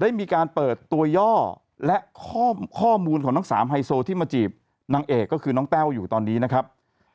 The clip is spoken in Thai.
ได้มีการเปิดตัวย่อและข้อมูลของทั้งสามไฮโซที่มาจีบนางเอกก็คือน้องแต้วอยู่ตอนนี้นะครับ